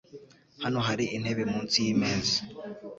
Hano hari intebe munsi y’imeza